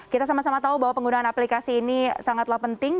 kita sama sama tahu bahwa penggunaan aplikasi ini sangatlah penting